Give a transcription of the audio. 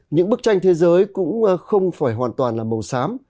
những bức tranh thế giới cũng không phải hoàn toàn là màu xám